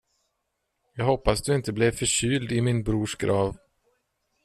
Jag hoppas du inte blev förkyld i min brors grav.